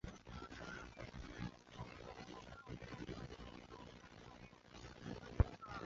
中华民国与密克罗尼西亚联邦关系是指中华民国与密克罗尼西亚联邦之间的关系。